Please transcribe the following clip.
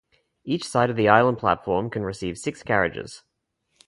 Each side of the island platform can receive six carriages.